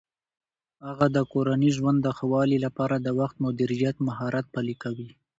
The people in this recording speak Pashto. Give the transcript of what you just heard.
هغه د کورني ژوند د ښه والي لپاره د وخت مدیریت مهارت پلي کوي.